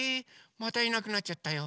⁉またいなくなっちゃったよ。